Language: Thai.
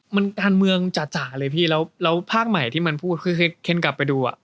มันการเมืองจ่าเลยพี่แล้วภาคใหม่ที่มันพูดคือเคนกลับไปดูอ่ะ